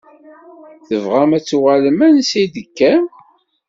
Tebɣam ad tuɣalem ansa i d-tekkam?